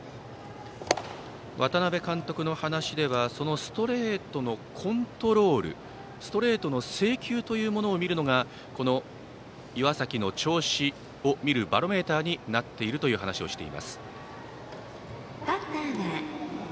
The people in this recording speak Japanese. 渡辺監督の話ではそのストレートのコントロールストレートの制球を見るのが岩崎の調子を見るバロメーターになっているという話をしています。